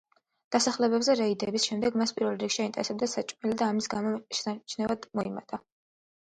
დასახლებებზე რეიდების შემდეგ მას პირველ რიგში აინტერესებდა საჭმელი და ამის გამო შესამჩნევად წონაში მოიმატა.